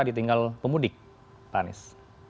ditinggal pemudik pak anies